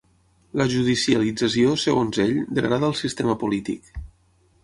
La judicialització, segons ell, degrada el sistema polític.